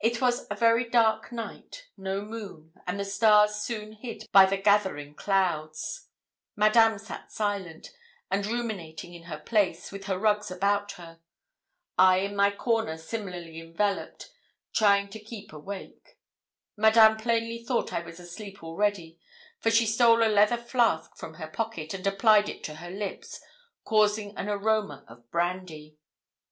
It was a very dark night no moon, and the stars soon hid by the gathering clouds. Madame sat silent, and ruminating in her place, with her rugs about her. I, in my corner similarly enveloped, tried to keep awake. Madame plainly thought I was asleep already, for she stole a leather flask from her pocket, and applied it to her lips, causing an aroma of brandy.